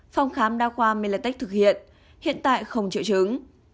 phòng khám đao khoa milatech thực hiện hiện tại không triệu chứng